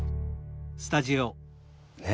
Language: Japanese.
ねえ。